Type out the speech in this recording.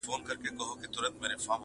اوس په خوب کي هره شپه زه خوبان وینم,